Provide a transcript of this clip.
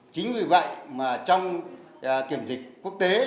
chính vì vậy trong kiểm dịch quốc tế